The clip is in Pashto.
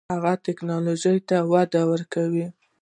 هغه ټیکنالوژۍ ته وده ورکړه.